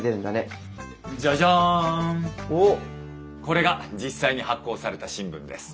これが実際に発行された新聞です。